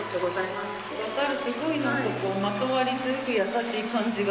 わかるすごいなんかこうまとわりつく優しい感じが。